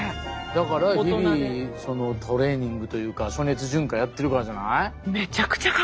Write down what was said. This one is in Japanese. だから日々トレーニングというか暑熱順化やってるからじゃない？